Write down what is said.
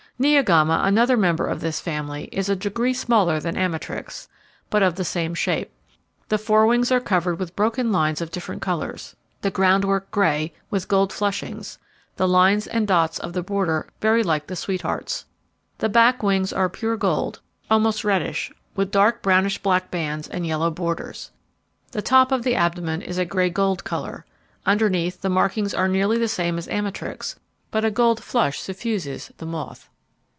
Neogama, another member of this family, is a degree smaller than Amatrix, but of the same shape. The fore wings are covered with broken lines of different colours, the groundwork grey, with gold flushings, the lines and dots of the border very like the Sweetheart's. The back wings are pure gold, almost reddish, with dark brownish black bands, and yellow borders. The top of the abdomen is a grey gold colour. Underneath, the markings are nearly the same as Amatrix, but a gold flush suffuses the moth.